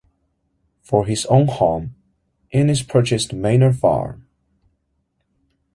For his own home, Innes purchased Manor Farm.